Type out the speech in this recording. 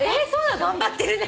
頑張ってるね！